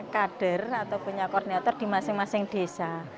kader atau punya koordinator di masing masing desa